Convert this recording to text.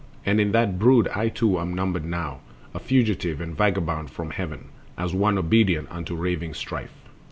And in that brood I too am numbered now, A fugitive and vagabond from heaven, As one obedient unto raving Strife.